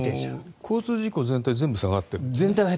交通事故全体は全部下がっているんです。